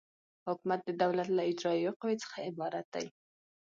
حکومت د دولت له اجرایوي قوې څخه عبارت دی.